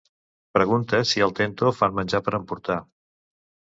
Pregunta si al Tento fan menjar per emportar.